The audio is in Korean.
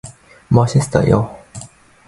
멋있어요!